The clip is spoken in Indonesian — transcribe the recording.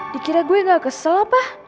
dikira gue gak kesel pak